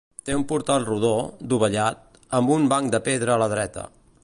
Té un portal rodó, dovellat, amb un banc de pedra a la dreta.